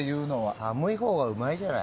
寒いほうがうまいじゃない。